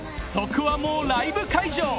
そこはもうライブ会場